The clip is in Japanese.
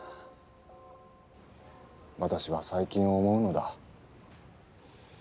私は最近思うのだ。